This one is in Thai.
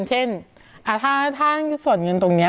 เช่นถ้าส่วนเงินตรงนี้